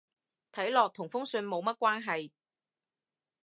睇落同封信冇乜關係